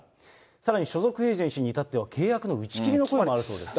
さらに所属エージェンシーに至っては契約の打ち切りの声もあるそうです。